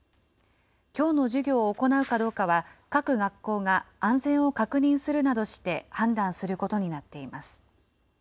きょうの授業を行うかどうかは、各学校が安全を確認するなどして判断することになっています。